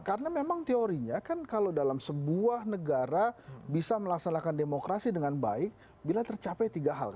karena memang teorinya kan kalau dalam sebuah negara bisa melaksanakan demokrasi dengan baik bila tercapai tiga hal